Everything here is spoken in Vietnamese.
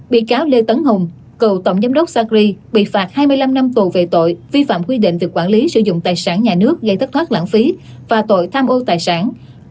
bị cáo lê tấn hùng cựu tổng giám đốc sacri bị phạt hai mươi năm năm tù về tội vi phạm quy định về quản lý sử dụng tài sản nhà nước gây thất thoát lãng phí và tội tham ô tài sản